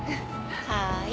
はい。